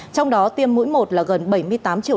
trong đó tiêm mũi một là gần bảy mươi tám triệu